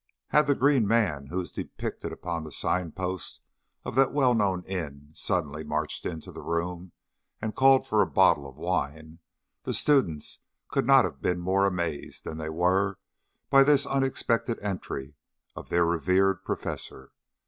Had the green man who is depicted upon the signpost of that well known inn suddenly marched into the room and called for a bottle of wine, the students could not have been more amazed than they were by this unexpected entry of their revered professor.